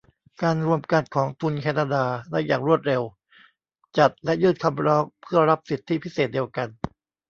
การรวมกันของทุนแคนาดาได้อย่างรวดเร็วจัดและยื่นคำร้องเพื่อรับสิทธิพิเศษเดียวกัน